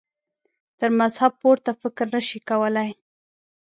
تر مذهب پورته فکر نه شي کولای.